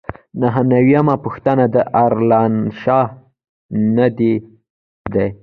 نهه نوي یمه پوښتنه د دارالانشا دندې دي.